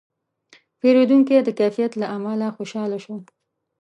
پیرودونکی د کیفیت له امله خوشاله شو.